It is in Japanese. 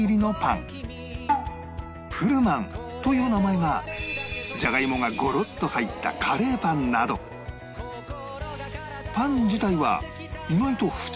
プルマンという名前がじゃがいもがゴロッと入ったカレーパンなどパン自体は意外と普通